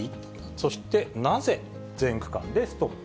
そして、なぜ全区間でストップ？